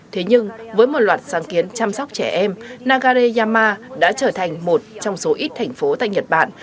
thế nhưng với một loạt sáng kiến chăm sóc trẻ em nagareyama đã trở thành một trong số ít thành phố tại nhật bản